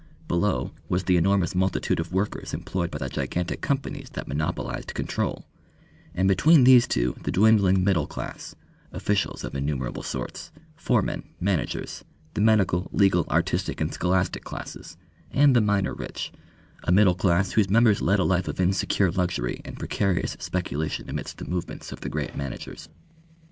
Below was the enormous multitude of workers employed by the gigantic companies that monopolised control; and between these two the dwindling middle class, officials of innumerable sorts, foremen, managers, the medical, legal, artistic, and scholastic classes, and the minor rich, a middle class whose members led a life of insecure luxury and precarious speculation amidst the movements of the great managers.